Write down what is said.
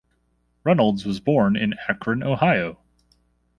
Reynolds was born in Akron, Ohio.